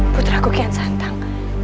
putriku kian santang